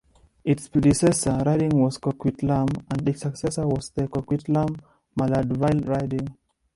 Its predecessor riding was Coquitlam and its successor was the Coquitlam-Maillardville riding.